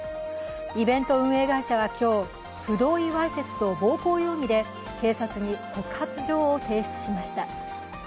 イベント運営会社は今日、不同意わいせつと暴行容疑で警察に告発状を提出しました。